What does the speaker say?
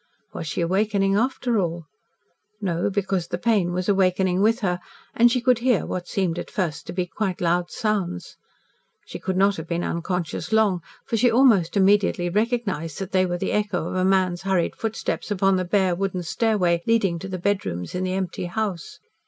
Was she awakening, after all? No, because the pain was awakening with her, and she could hear, what seemed at first to be quite loud sounds. She could not have been unconscious long, for she almost immediately recognised that they were the echo of a man's hurried footsteps upon the bare wooden stairway, leading to the bedrooms in the empty house.